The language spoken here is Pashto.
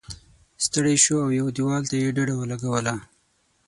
ستړی شو او یوه دیوال ته یې ډډه ولګوله.